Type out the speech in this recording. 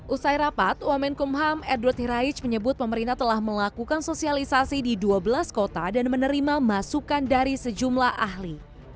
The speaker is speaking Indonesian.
usai rapat wamenkumham edward hiraij menyebut pemerintah telah melakukan sosialisasi di dua belas kota dan menerima masukan dari sejumlah ahli